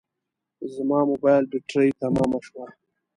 زما موبایل بټري تمامه شوه